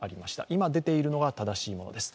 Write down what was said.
今出ているのが正しいものです。